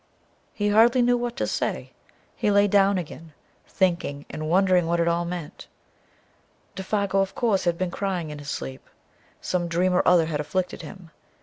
He hardly knew what to say. He lay down again, thinking and wondering what it all meant. Défago, of course, had been crying in his sleep. Some dream or other had afflicted him.